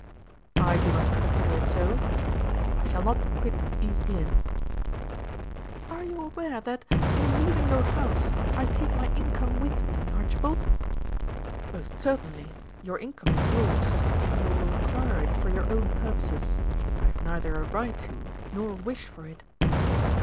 "I do not consider it so. I shall not quit East Lynne." "Are you aware that, in leaving your house, I take my income with me, Archibald?" "Most certainly. Your income is yours, and you will require it for your own purposes. I have neither a right to, nor wish for it."